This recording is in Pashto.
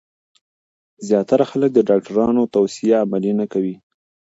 زیاتره خلک د ډاکټرانو توصیه عملي نه کوي.